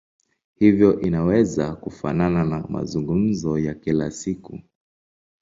Hivyo inaweza kufanana na mazungumzo ya kila siku.